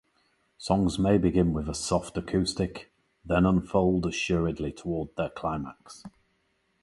Songs may begin with a soft acoustic, then unfold assuredly toward their climax.